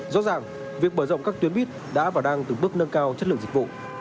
rõ ràng việc bởi rộng các tuyến buýt đã vào đăng từng bước nâng cao chất lượng dịch vụ